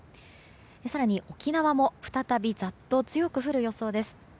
更に、沖縄も再びざっと強く降る予想です。